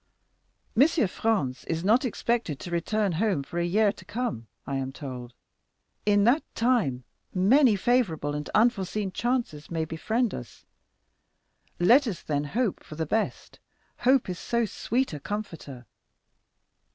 M. Franz is not expected to return home for a year to come, I am told; in that time many favorable and unforeseen chances may befriend us. Let us, then, hope for the best; hope is so sweet a comforter.